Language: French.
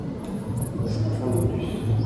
Je prends le bus.